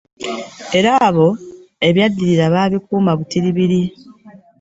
Era abo ababyeddira babikuuma butiribiri